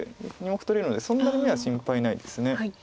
２目取れるのでそんなに眼は心配ないです。